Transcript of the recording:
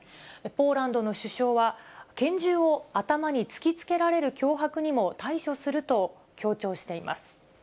ポーランドの首相は、拳銃を頭に突きつけられる脅迫にも対処すると強調しています。